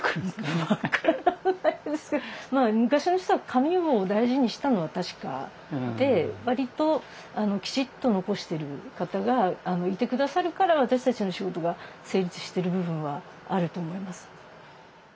わからないですけどまあ昔の人は紙を大事にしたのは確かで割ときちっと残してる方がいて下さるから私たちの仕事が成立してる部分はあると思います。